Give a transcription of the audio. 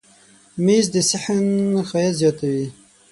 مېز د صحن ښایست زیاتوي.